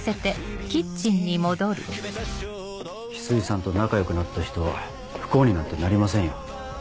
翡翠さんと仲良くなった人は不幸になんてなりませんよ。